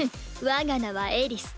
我が名はエリス。